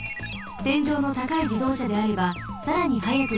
てんじょうのたかいじどうしゃであればさらにはやくもどります。